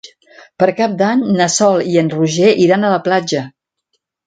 Per Cap d'Any na Sol i en Roger iran a la platja.